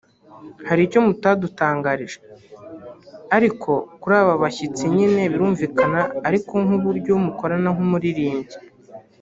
Hari icyo mutadutangarije ariko kuri aba bashyitsi nyine birumvikana ariko nkuburyo mukorana nk'umuririmbyi